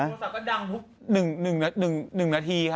โทรศัพท์ก็ดังทุก๑นาทีค่ะ